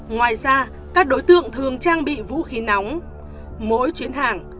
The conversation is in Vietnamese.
ngoài ra các đối tượng thường trang bị vũ khí nóng